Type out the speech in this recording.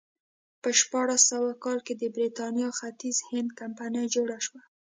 په شپاړس سوه کال کې د برېټانیا ختیځ هند کمپنۍ جوړه شوه.